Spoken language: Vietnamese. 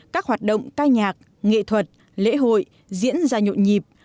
các hoạt động ca nhạc nghệ thuật lễ hội diễn ra nhộn nhịp